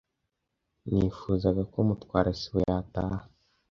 Nifuzaga ko Mutwara sibo yataha.